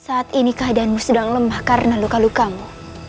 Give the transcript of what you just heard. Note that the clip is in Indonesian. saat ini keadaanmu sedang lemah karena luka lukamu